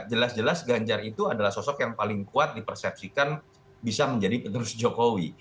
jelas jelas ganjar itu adalah sosok yang paling kuat dipersepsikan bisa menjadi penerus jokowi